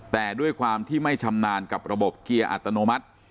แต่ด้วยความที่ไม่ชำนาญกับระบบเกียร์อัตโนมัติ